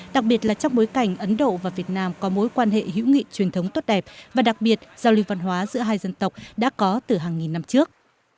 đặc biệt là trong bối cảnh ấn độ và việt nam có mối quan hệ hữu nghị truyền thống tốt đẹp và đặc biệt giao lưu văn hóa giữa hai dân tộc đã có từ hàng nghìn năm trước